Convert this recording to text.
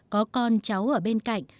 có con cháu ở bên cạnh